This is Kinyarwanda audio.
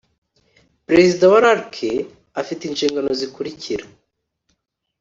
perezida wa rlrc afite inshingano zikurikira